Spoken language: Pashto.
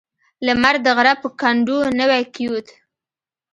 لمر د غره په کنډو نوی کېوت.